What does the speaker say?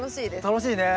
楽しいね。